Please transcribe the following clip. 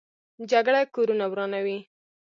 جګړه کورونه ورانوي